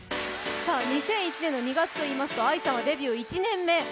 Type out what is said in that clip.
２００１年の２月といいますと、ＡＩさんはデビュー１年目。